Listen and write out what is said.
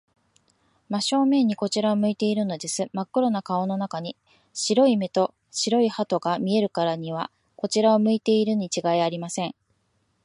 真正面にこちらを向いているのです。まっ黒な顔の中に、白い目と白い歯とが見えるからには、こちらを向いているのにちがいありません。